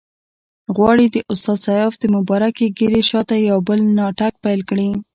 غواړي د استاد سیاف د مبارکې ږیرې شاته یو بل ناټک پیل کړي.